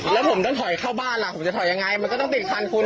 ผ้าแพร่เค้าซึ่งมันไม่เกี่ยวกันอะแม่นนะครับใจมั๊ยอ่ะ